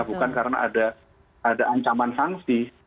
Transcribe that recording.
bukan karena ada ancaman sanksi